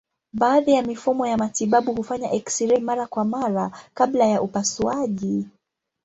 Baadhi ya mifumo ya matibabu hufanya eksirei mara kwa mara kabla ya upasuaji.